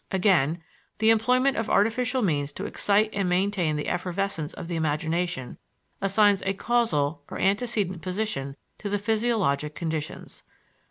Again, the employment of artificial means to excite and maintain the effervescence of the imagination assigns a causal or antecedent position to the physiologic conditions.